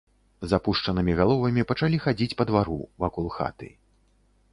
З апушчанымі галовамі пачалі хадзіць па двару, вакол хаты.